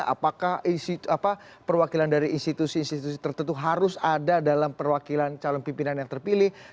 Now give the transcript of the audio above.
apakah perwakilan dari institusi institusi tertentu harus ada dalam perwakilan calon pimpinan yang terpilih